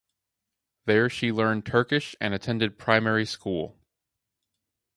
There she learned Turkish and attended primary school.